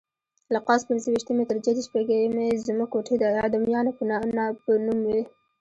له قوس پنځه ویشتمې تر جدي شپږمې زموږ کوټې د اعدامیانو په نوم وې.